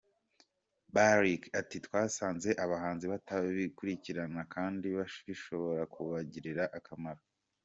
Barick ati “Twasanze abahanzi batabikurikiranakandi bishobora kubagirira akamaro.